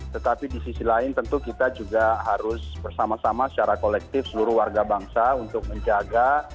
tetapi di sisi lain tentu kita juga harus bersama sama secara kolektif seluruh warga bangsa untuk menjaga